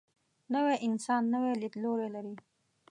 نوی انسان نوی لیدلوری لري